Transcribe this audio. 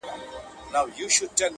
سایله اوس دي پر دښتونو عزرائیل وګوره،